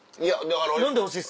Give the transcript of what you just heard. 飲んでほしいです。